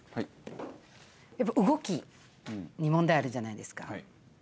やっぱ動きに問題あるじゃないですか。